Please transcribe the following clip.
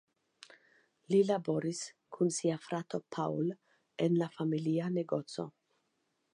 Li laboris kun sia frato Paul en la familia negoco.